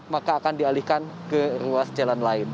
maka akan dialihkan ke ruas jalan lain